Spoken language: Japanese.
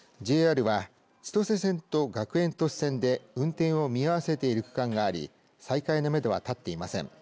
ＪＲは千歳線と学園都市線で運転を見合わせている区間があり再開のめどはたっていません。